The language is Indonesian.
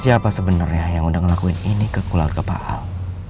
siapa sebenernya yang udah ngelakuin ini ke kulau kepaal